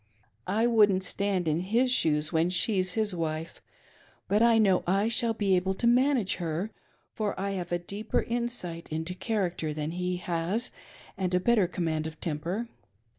I wouldn't stand in his shoes when she's his wife ; but I know l shall be able to manage her, for I have a deeper insight into character than he has, and a better command of temper.